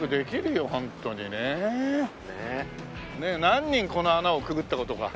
何人この穴をくぐった事か。